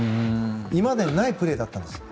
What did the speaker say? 今までにないプレーだったんです。